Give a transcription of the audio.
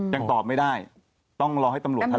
ยังตอบไม่ได้ต้องรอให้ตำรวจแถลง